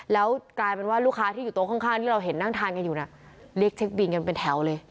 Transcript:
แล้วกลายเป็นว่าลูกค้าที่อยู่โต๊ะข้างที่เราเห็นนั่งทานกันอยู่น่ะเรียกเช็คบินกันเป็นแถวเลย